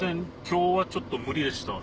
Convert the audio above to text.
今日はちょっと無理でした。